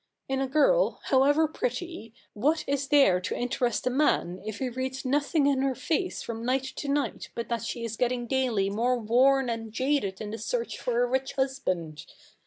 In a girl, however pretty, what is there to interest a man if he reads nothing in her face from night to night but that she is getting daily more worn and jaded in the search for a rich husband?